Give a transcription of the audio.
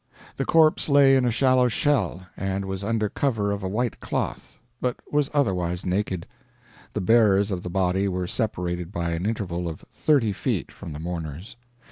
The corpse lay in a shallow shell, and was under cover of a white cloth, but was otherwise naked. The bearers of the body were separated by an interval of thirty feet from the mourners.